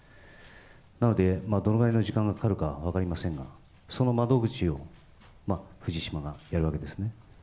なので、どのぐらいの時間がかかるかは分かりませんが、その窓口を、藤島がやるわけですね。